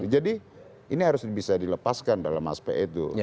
jadi ini harus bisa dilepaskan dalam aspe itu